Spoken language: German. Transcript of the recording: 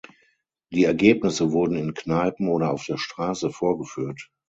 Die Ergebnisse wurden in Kneipen oder auf der Straße vorgeführt.